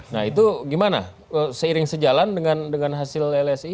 nah itu gimana seiring sejalan dengan hasil lsi